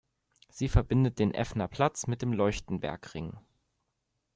Sie verbindet den Effnerplatz mit dem Leuchtenbergring.